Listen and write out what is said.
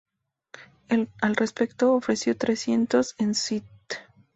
Al respecto, ofreció tres conciertos en St.